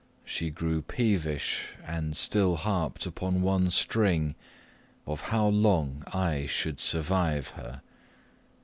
She grew peevish, and still harped upon one string of how long I should survive her.